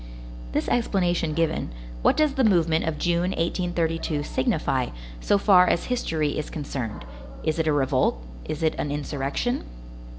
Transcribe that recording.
This explanation given, what does the movement of June, 1832, signify, so far as history is concerned? Is it a revolt? Is it an insurrection?